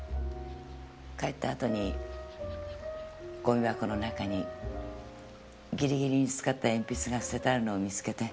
帰った後にゴミ箱の中にギリギリに使った鉛筆が捨ててあるのを見つけて。